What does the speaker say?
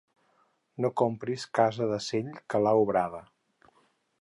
No compris casa de cell que l'ha obrada.